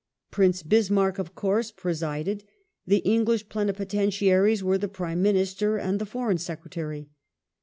Prince Bismarck, of course, presided : the English plenipotentiaries were the Prime Minister and the Foreign Secretary.